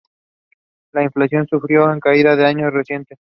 La inflación sufrió una caída en años recientes.